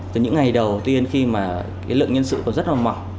từ những ngày đầu tiên khi mà cái lượng nhân sự còn rất là mỏng